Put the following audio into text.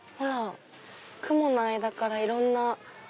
雲の間からいろんな。